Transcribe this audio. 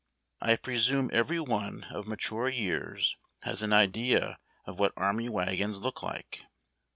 I presume every one of mature years has an idea of wliat army wagons look like.